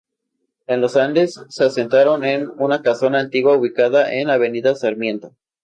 En Los Andes se asentaron en una casona antigua ubicada en Avenida Sarmiento.